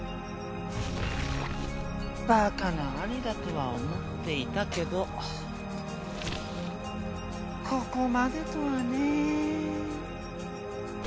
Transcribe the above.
バカな兄だとは思っていたけどここまでとはねぇ。